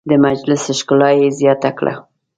د مجلس ښکلا یې زیاته کړه.